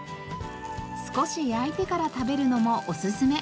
少し焼いてから食べるのもおすすめ！